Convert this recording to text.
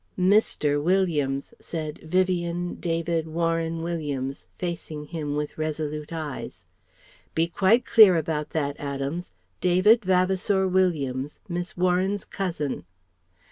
"Mister Williams," said Vivien David Warren Williams, facing him with resolute eyes. "Be quite clear about that, Adams; David Vavasour Williams, Miss Warren's cousin."